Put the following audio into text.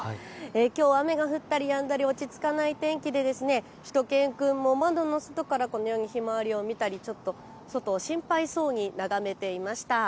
きょう、雨が降ったりやんだり落ち着かない天気でしゅと犬くんも窓の外からこのように、ひまわりを見たり外を心配そうに眺めていました。